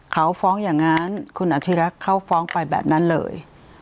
เขาฟ้องอย่างนั้นคุณอธิรักษ์เขาฟ้องไปแบบนั้นเลย